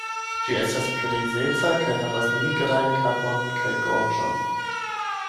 Ĝi estas grizeca kaj havas nigrajn kapon kaj gorĝon.